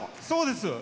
そうです。